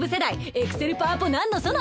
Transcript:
エクセルパワポなんのその！